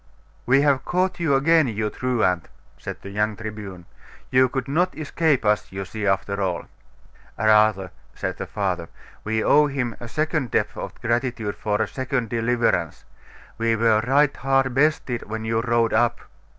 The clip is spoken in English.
'We have caught you again, you truant!' said the young Tribune; 'you could not escape us, you see, after all.' 'Rather,' said the father, 'we owe him a second debt of gratitude for a second deliverance. We were right hard bested when you rode up.